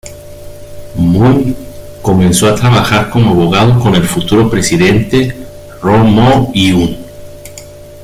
Moon comenzó a trabajar como abogado con el futuro presidente Roh Moo-hyun.